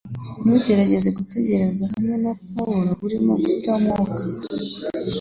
Ntugerageze gutekereza hamwe na Pawulo - urimo guta umwuka